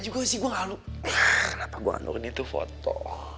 juga sih gue ngalur ngalur itu foto